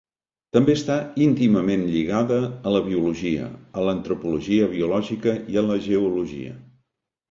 També està íntimament lligada a la biologia, a l'antropologia biològica i a la geologia.